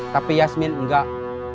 tapi yasmin enggak